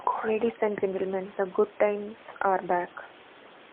Ladies and gentlemen, the good times are back!